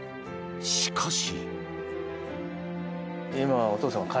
しかし。